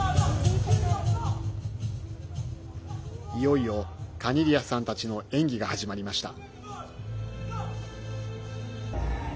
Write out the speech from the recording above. いよいよカニリヤスさんたちの演技が始まりました。